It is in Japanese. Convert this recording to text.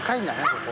ここ。